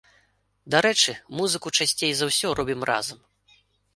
Дарэчы, музыку часцей за ўсё робім разам.